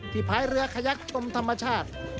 พายเรือขยักชมธรรมชาติ